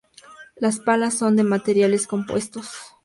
Las palas son de materiales compuestos.